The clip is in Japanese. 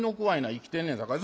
生きてんねんさかい」。